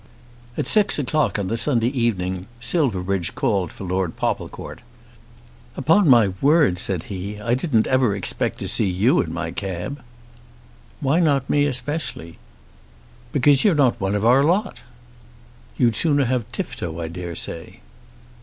At six o'clock on the Sunday evening Silverbridge called for Lord Popplecourt. "Upon my word," said he, "I didn't ever expect to see you in my cab." "Why not me especially?" "Because you're not one of our lot." "You'd sooner have Tifto, I dare say."